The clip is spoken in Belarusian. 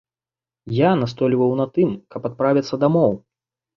Я настойваў на тым, каб адправіцца дамоў.